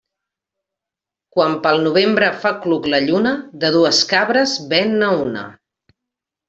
Quan pel novembre fa cluc la lluna, de dues cabres ven-ne una.